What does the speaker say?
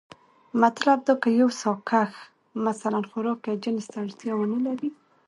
مطلب دا که يو ساکښ مثلا خوراک يا جنس ته اړتيا ونه لري،